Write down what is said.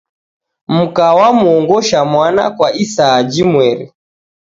Mka wamuongosha mwana kwa isaa jimweri.